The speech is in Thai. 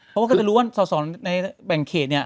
เพราะว่าก็จะรู้ว่าส่อในแบ่งเขตเนี่ย